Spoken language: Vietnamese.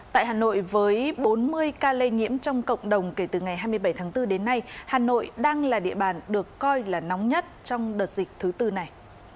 tại hà nội với bốn mươi ca lây nhiễm trong cộng đồng kể từ ngày hai mươi bảy tháng bốn đến nay hà nội đang là địa bàn được coi là nóng nhất trong đợt dịch thứ tư này